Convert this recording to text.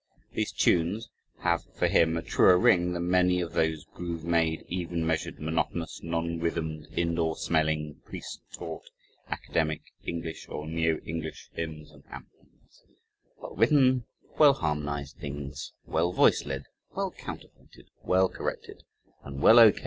These tunes have, for him, a truer ring than many of those groove made, even measured, monotonous, non rhythmed, indoor smelling, priest taught, academic, English or neo English hymns (and anthems) well written, well harmonized things, well voice led, well counterpointed, well corrected, and well O.